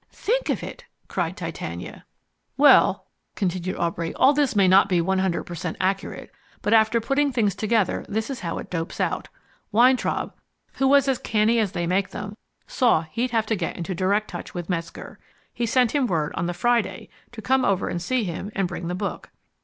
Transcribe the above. "Think of it!" cried Titania. "Well," continued Aubrey, "all this may not be 100 per cent. accurate, but after putting things together this is how it dopes out. Weintraub, who was as canny as they make them, saw he'd have to get into direct touch with Metzger. He sent him word, on the Friday, to come over to see him and bring the book.